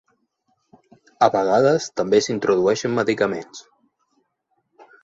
A vegades també s'introdueixen medicaments.